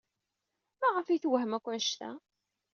Maɣef ay tewhem akk anect-a?